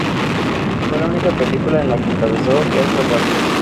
Fue la única película en la que encabezó el reparto.